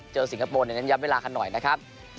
สิงคโปร์เน้นย้ำเวลากันหน่อยนะครับ